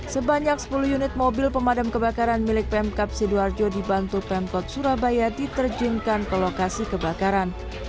sebanyak sepuluh unit mobil pemadam kebakaran milik pemkap sidoarjo dibantu pemkot surabaya diterjunkan ke lokasi kebakaran